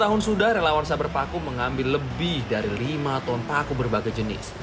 dua puluh tahun sudah relawan sabar paku mengambil lebih dari lima ton paku berbagai jenis